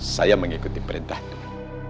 saya mengikuti perintah tuhan